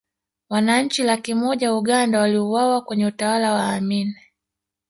wananchi laki moja wa uganda waliuawa kwenye utawala wa amini